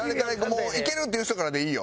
もういけるっていう人からでいいよ